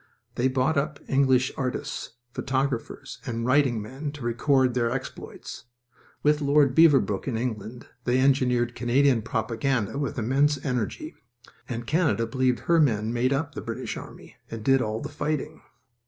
They bought up English artists, photographers, and writing men to record their exploits. With Lord Beaverbrook in England they engineered Canadian propaganda with immense energy, and Canada believed her men made up the British army and did all the fighting.